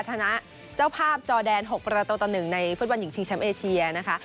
ชนะเจ้าภาพจอแดน๖ประตูต่อ๑ในฟุตบอลหญิงชิงแชมป์เอเชียนะคะ